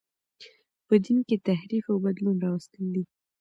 په دین کښي تحریف او بدلون راوستل دي.